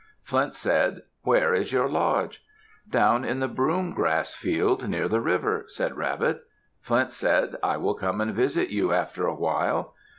Flint said, "Where is your lodge?" "Down in the broom grass field near the river," said Rabbit. Flint said, "I will come and visit you after a while."